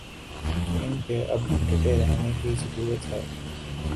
تو ان پہ اب ڈٹے رہنے کی ضرورت ہے۔